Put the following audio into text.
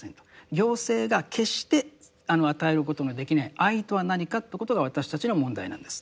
行政が決して与えることのできない愛とは何かということが私たちの問題なんですって